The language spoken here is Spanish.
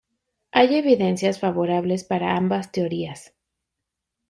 Hay evidencias favorables para ambas teorías.